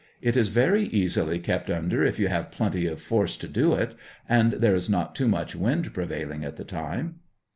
It is very easily kept under if you have plenty of force to do it, and there is not too much wind prevail ing at the time.